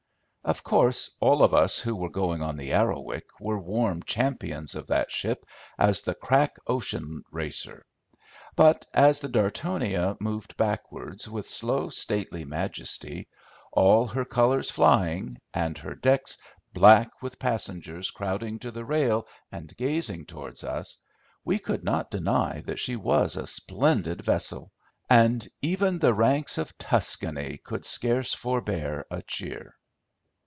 Of course all of us who were going on the Arrowic were warm champions of that ship as the crack ocean racer; but, as the Dartonia moved backwards with slow stately majesty, all her colours flying, and her decks black with passengers crowding to the rail and gazing towards us, we could not deny that she was a splendid vessel, and "even the ranks of Tuscany could scarce forbear a cheer."